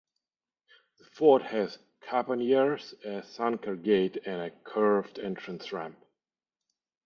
The fort has caponiers, a sunken gate, and a curved entrance ramp.